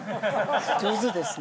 上手ですね。